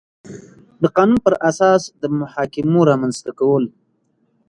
د قانون پر اساس د محاکمو رامنځ ته کول